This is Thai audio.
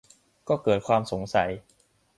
ก็เกิดความสงสัย